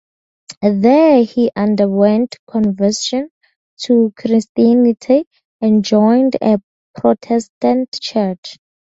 There he underwent conversion to Christianity and joined a Protestant church.